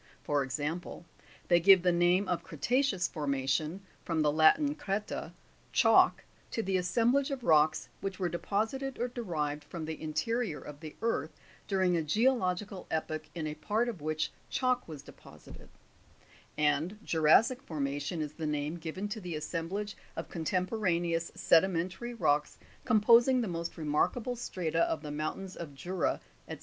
10. For example, they give the name of creta'ceous formation (from the Latin, creta, chalk) to the assemblage of rocks which were deposited or derived from the interior of the earth, during a geological epoch, in a part of which chalk was deposited ; and juras'sic formation is the name given to the assemblage of con temporaneous sedimentary rocks composing the most remarkable strata of the mountains of Jura, &c.